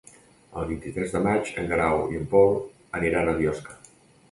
El vint-i-tres de maig en Guerau i en Pol aniran a Biosca.